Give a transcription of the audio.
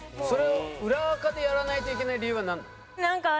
それを裏アカでやらないといけない理由はなんなの？